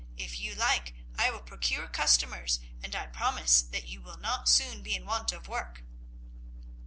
If you like I will procure customers, and I promise that you will not soon be in want of work."